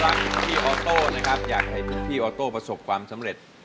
ทุกครับทุกคนก็รักพี่ออโต้นะครับอยากให้พี่ออโต้ประสบความสำเร็จ